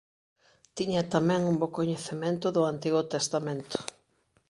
Tiña tamén un bo coñecemento do Antigo Testamento.